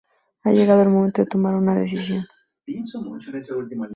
Ha llegado el momento de tomar una decisión.